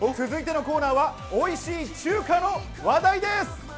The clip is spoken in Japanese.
続いてのコーナーは、おいしい中華の話題です！